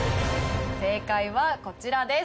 正解はこちらです。